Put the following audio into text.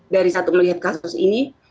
dari satu melihat kasus ini